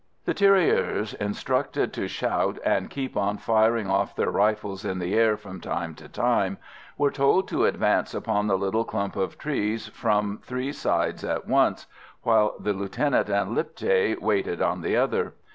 The tirailleurs, instructed to shout and keep on firing off their rifles in the air from time to time, were told to advance upon the little clump of trees from three sides at once, while the lieutenant and Lipthay waited on the other.